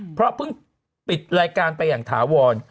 เพราะเพิ่งปิดรายการไปอย่างถาวร